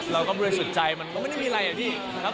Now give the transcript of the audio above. เราก็เบื่อสุดใจมันก็ไม่ได้มีไลน์อย่างนี้ครับผม